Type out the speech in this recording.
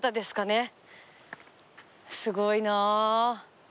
すごいな。